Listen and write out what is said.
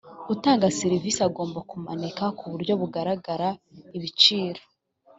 utanga serivisi agomba kumanika ku buryo bugaragara ibiciro